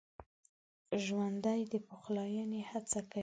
ژوندي د پخلاينې هڅه کوي